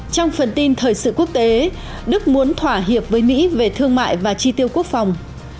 trong phần tin thời sự quốc tế đức muốn thỏa hiệp với mỹ về thương mại và chi tiêu quốc phòng